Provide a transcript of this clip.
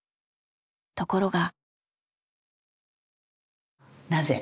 ところが。